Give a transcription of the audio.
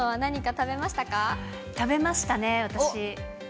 食べましたね、私。